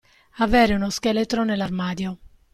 Avere uno scheletro nell'armadio.